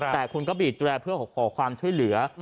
แต่คุณก็บีดแจลประโยชน์ขอบความช่วยเหลือ